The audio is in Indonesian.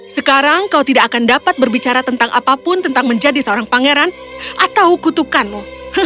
sekarang kau tidak akan dapat berbicara tentang apapun tentang menjadi seorang pangeran atau kutukanmu